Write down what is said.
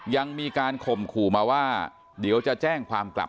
ยังมีการข่มขู่มาว่าเดี๋ยวจะแจ้งความกลับ